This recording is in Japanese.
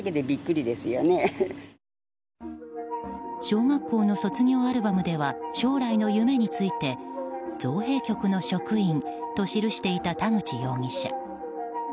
小学校の卒業アルバムでは将来の夢について造幣局の職員と記していた田口容疑者。